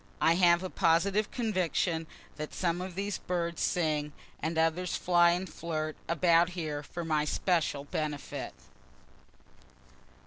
(I have a positive conviction that some of these birds sing, and others fly and flirt about here for my special benefit.)